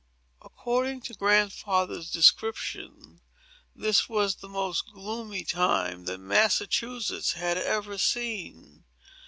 According to Grandfather's description, this was the most gloomy time that Massachusetts had ever seen.